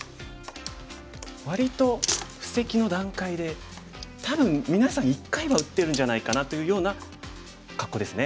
割と布石の段階で多分みなさん一回は打ってるんじゃないかなというような格好ですね。